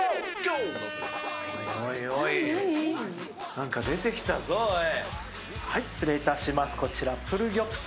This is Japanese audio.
なんか出てきたぞ、おい。